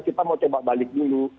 kita mau coba balik dulu